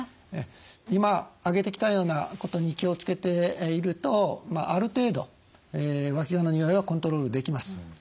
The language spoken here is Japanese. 今挙げてきたようなことに気を付けているとある程度わきがのにおいはコントロールできます。